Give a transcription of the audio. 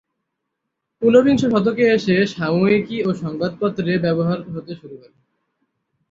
ঊনবিংশ শতকে এসে সাময়িকী ও সংবাদপত্রে ব্যবহার হতে শুরু করে।